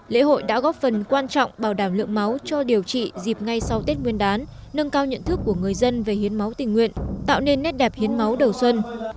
lễ hội đã góp phần quan trọng bảo đảm lượng máu cho điều trị dịp ngay sau tết nguyên đán nâng cao nhận thức của người dân về hiến máu tình nguyện tạo nên nét đẹp hiến máu đầu xuân